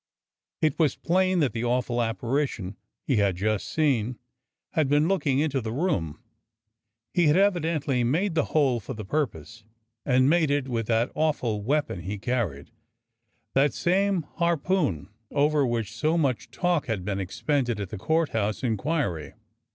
It was plain that the awful apparition he had just seen had been looking into the room. He had evidently made the hole for the purpose, and made it with that awful THE DOCTOR SINGS A SONG 121 weapon he carried, that same harpoon over which so much talk had been expended at the Com t House inquiry.